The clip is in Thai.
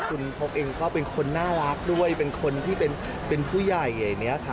คุณพกเองก็เป็นคนน่ารักด้วยเป็นคนที่เป็นผู้ใหญ่อย่างนี้ค่ะ